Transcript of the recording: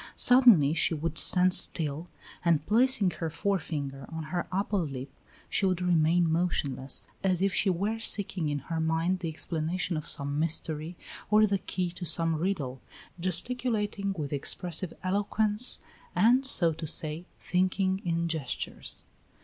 Suddenly she would stand still, and placing her forefinger on her upper lip she would remain motionless, as if she were seeking in her mind the explanation of some mystery or the key to some riddle, gesticulating with expressive eloquence, and, so to say, thinking in gestures.